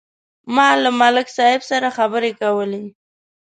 ما له ملک صاحب سره خبرې کولې.